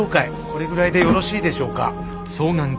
これぐらいでよろしいでしょうか。